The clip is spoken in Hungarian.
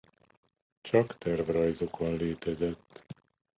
Csak tervrajzokon létezett.